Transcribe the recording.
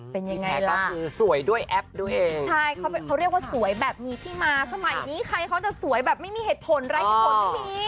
เป็นยังไงก็คือสวยด้วยแอปด้วยเองใช่เขาเรียกว่าสวยแบบมีที่มาสมัยนี้ใครเขาจะสวยแบบไม่มีเหตุผลไร้เหตุผลไม่มี